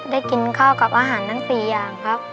กินข้าวกับอาหารทั้ง๔อย่างครับ